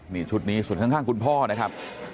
นี่ชุดนี้สุดข้างคุณพ่อนะครับ